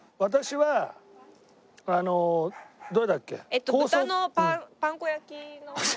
えっと豚のパン粉焼きの。